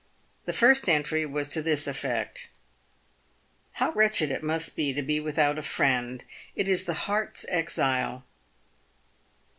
The first entry was to this effect :" How wretched it must be to be without a friend ! It is the heart's exile."